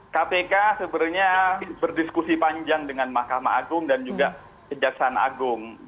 kpk sebenarnya berdiskusi panjang dengan mahkamah agung dan juga kejaksaan agung